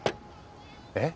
えっ？